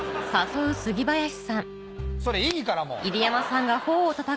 それいいからもう。